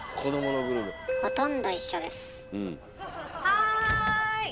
はい。